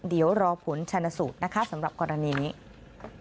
เดี๋ยวรอผลชนสูตรนะคะสำหรับกรณีนี้